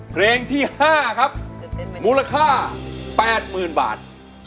เพลงที่๕ครับมูลค่า๘๐๐๐บาท